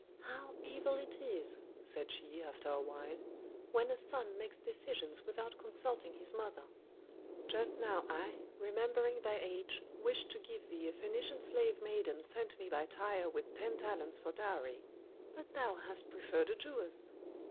"How evil it is," said she, after a while, "when a son makes decisions without consulting his mother. Just now I, remembering thy age, wished to give thee a Phœnician slave maiden sent me by Tyre with ten talents for dowry. But thou hast preferred a Jewess."